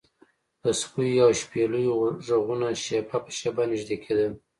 د سپیو او شپېلیو غږونه شیبه په شیبه نږدې کیدل